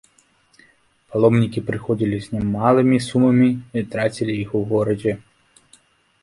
Паломнікі прыходзілі з немалымі сумамі і трацілі іх у горадзе.